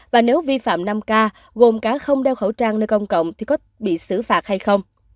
và nếu vi phạm năm k gồm cả không đeo khẩu trang nơi công cộng thì có bị xử phạt hay không